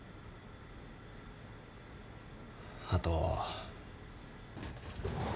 あと。